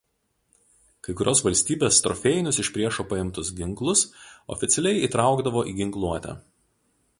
Kai kurios valstybės trofėjinius iš priešo paimtus ginklus oficialiai įtraukdavo į ginkluotę.